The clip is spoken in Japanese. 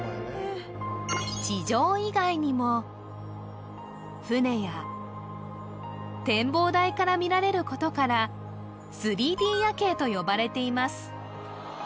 地上以外にも船や展望台から見られることから３Ｄ夜景と呼ばれています